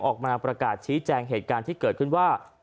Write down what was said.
ออกมาประกาศชี้แจงเหตุการณ์ที่เกิดขึ้นว่า